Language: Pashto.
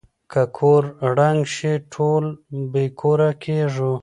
که کور ړنګ شي ټول بې کوره کيږو.